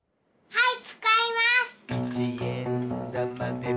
はい。